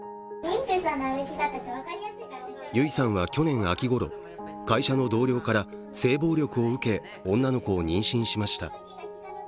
ゆいさんは去年秋ごろ、会社の同僚から性暴力を受け、女の子を妊娠しました。